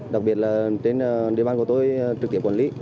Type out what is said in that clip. đặc biệt là trên địa bàn của tôi trực tiếp quản lý